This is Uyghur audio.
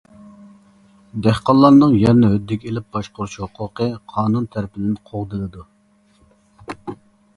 دېھقانلارنىڭ يەرنى ھۆددىگە ئېلىپ باشقۇرۇش ھوقۇقى قانۇن تەرىپىدىن قوغدىلىدۇ.